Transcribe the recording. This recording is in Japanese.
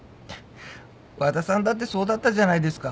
和田さんだってそうだったじゃないですか。